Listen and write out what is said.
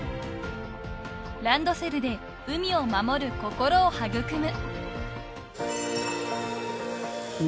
［ランドセルで海を守る心を育む］